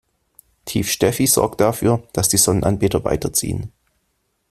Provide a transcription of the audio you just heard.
Tief Steffi sorgt dafür, dass die Sonnenanbeter weiterziehen.